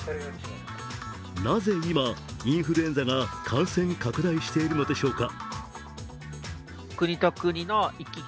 なぜ今、インフルエンザが感染拡大しているのでしょうか？